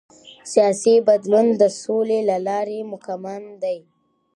سیاسي بدلون د سولې له لارې ممکن دی